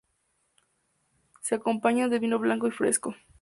Se acompaña de vino blanco y fresco.